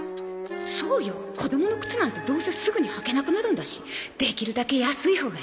そうよ子供の靴なんてどうせすぐに履けなくなるんだしできるだけ安いほうがいいわ